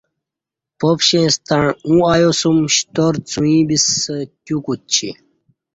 پاپشیں ستݩع اوں ایاسوم شتار څوعی بِسہ تیو کُچی